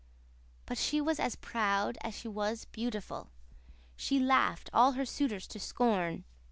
But she was as proud as she was beautiful. She laughed all her suitors to scorn.